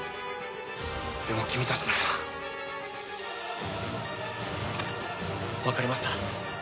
でも君たちなら。わかりました。